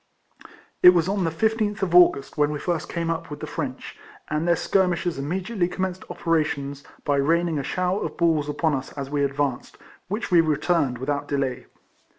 It was on the 15th of August, when we first came up with the French, and their skir mishers immediately commenced operations by raining a shower of balls upon us as we advanced, which we returned without delay.